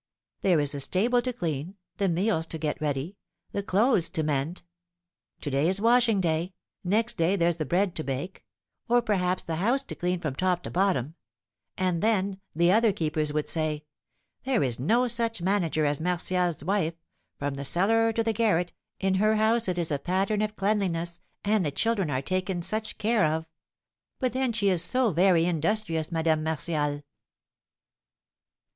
There is the stable to clean, the meals to get ready, the clothes to mend; to day is washing day, next day there's the bread to bake, or perhaps the house to clean from top to bottom; and, then, the other keepers would say, 'There is no such manager as Martial's wife; from the cellar to the garret, in her house, it is a pattern of cleanliness, and the children are taken such care of! But then she is so very industrious, Madame Martial.'"